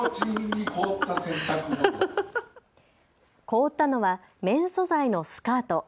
凍ったのは綿素材のスカート。